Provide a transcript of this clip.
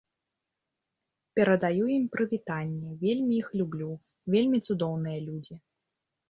Перадаю ім прывітанне, вельмі іх люблю, вельмі цудоўныя людзі.